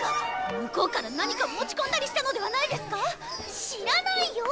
向こうから何か持ち込んだりしたのではないですか⁉知らないよ！